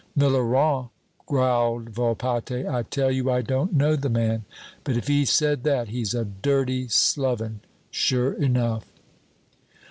'" "Millerand!" growled Volpatte. "I tell you, I don't know the man; but if he said that, he's a dirty sloven, sure enough!"